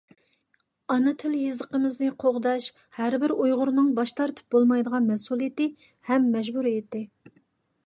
ئانا تىل-يېزىقىمىزنى قوغداش — ھەربىر ئۇيغۇرنىڭ باش تارتىپ بولمايدىغان مەسئۇلىيىتى ھەم مەجبۇرىيىتى.